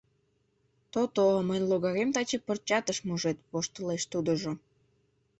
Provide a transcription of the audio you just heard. — То-то, мыйын логарем таче пырчат ыш мужед, — воштылеш тудыжо.